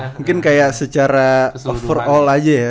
mungkin kayak secara overall aja ya